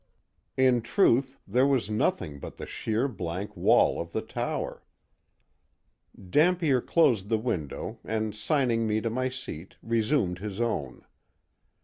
In truth there was nothing but the sheer blank wall of the tower. Dampier closed the window and signing me to my seat resumed his own.